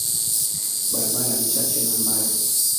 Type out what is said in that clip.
Barabara ni chache na mbaya.